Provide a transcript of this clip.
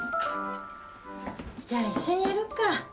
じゃあ一緒にやろっか。